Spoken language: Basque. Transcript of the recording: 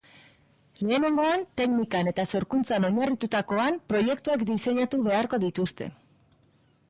Lehenengoan, teknikan eta sorkuntzan oinarritukoan, proiektuak diseinatu beharko dituzte.